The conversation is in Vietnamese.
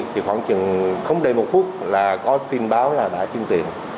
thì khoảng chừng không đầy một phút là có tin báo là đã chuyển tiền